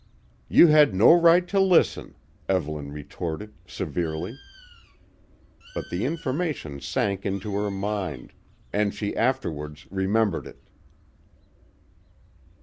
"You had no right to listen," Evelyn retorted severely; but the information sank into her mind, and she afterwards remembered it.